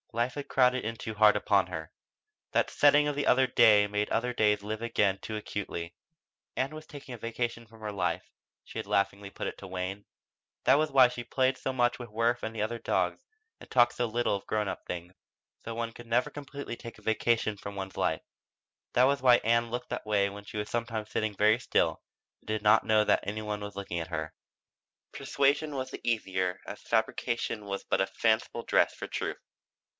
Life had crowded in too hard upon her, that setting of the other days made other days live again too acutely. Ann was taking a vacation from her life, she had laughingly put it to Wayne. That was why she played so much with Worth and the dogs and talked so little of grown up things. Though one could never completely take a vacation from one's life; that was why Ann looked that way when she was sometimes sitting very still and did not know that any one was looking at her. Persuasion was the easier as fabrication was but a fanciful dress for truth.